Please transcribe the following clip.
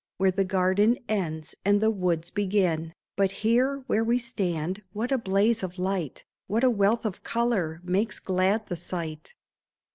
Where the garden ends and the woods begin. But here, where we stand, what a blaze of light, What a wealth of color, makes glad the sight